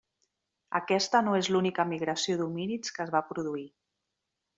Aquesta no és l'única migració d'homínids que es va produir.